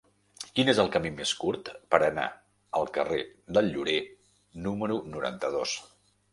Quin és el camí més curt per anar al carrer del Llorer número noranta-dos?